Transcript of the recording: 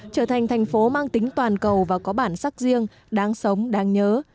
trở thành thành phố mang tính toàn cầu và có bản sắc riêng đáng sống đáng nhớ